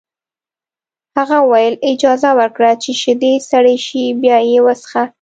هغه وویل اجازه ورکړه چې شیدې سړې شي بیا یې وڅښه